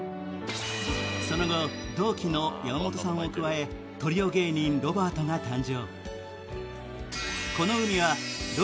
その後、同期の山本さんを加えトリオ芸人・ロバートが誕生。